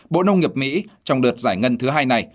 bộ nông nghiệp mỹ trong đợt giải ngân thứ hai này